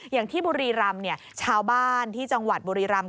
อย่างที่บุรีรำชาวบ้านที่จังหวัดบุรีรำ